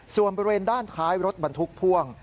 ส่วนบริเวณด้านท้ายรถบรรทุกพ่วง